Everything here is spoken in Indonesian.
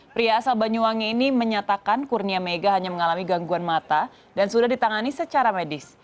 pria asal banyuwangi ini menyatakan kurnia mega hanya mengalami gangguan mata dan sudah ditangani secara medis